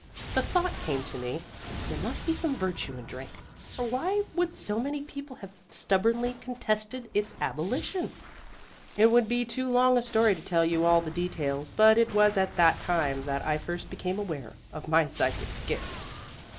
The thought came to me, there must be some virtue in drink, or why would so many people have stubbornly contested its abolition? It would be too long a story to tell you all the details, but it was at that time that I first became aware of my psychic gift."